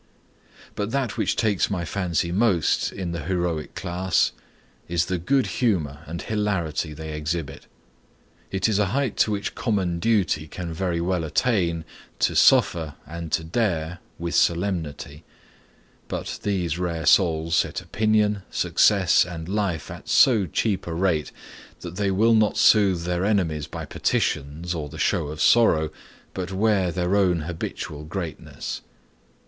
But that which takes my fancy most in the heroic class, is the good humor and hilarity they exhibit. It is a height to which common duty can very well attain, to suffer and to dare with solemnity. But these rare souls set opinion, success, and life at so cheap a rate that they will not soothe their enemies by petitions, or the show of sorrow, but wear their own habitual greatness.